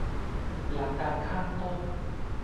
หลักการข้างต้น